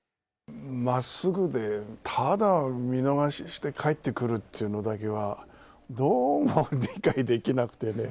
まっすぐで、ただ見逃して帰って来るというのだけはどうも理解できなくてね。